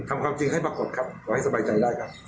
ความจริงให้ปรากฏครับขอให้สบายใจได้ครับ